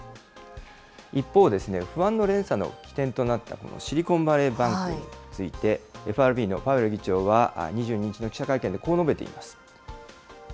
一方、不安の連鎖の起点となった、このシリコンバレーバンクについて、ＦＲＢのパウエル議長は２２日の記者会見でこう述べています。